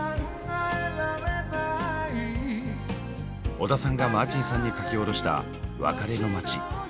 小田さんがマーチンさんに書き下ろした「別れの街」。